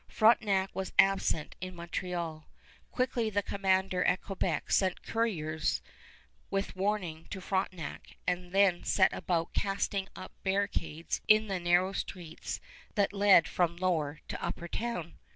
Frontenac was absent in Montreal. Quickly the commander at Quebec sent coureurs with warning to Frontenac, and then set about casting up barricades in the narrow streets that led from Lower to Upper Town.